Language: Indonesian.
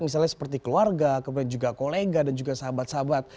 misalnya seperti keluarga kemudian juga kolega dan juga sahabat sahabat